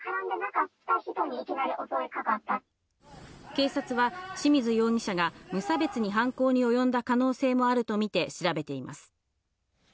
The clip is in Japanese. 警察は清水容疑者が無差別に犯行に及んだ可能性もあるとみて調べています。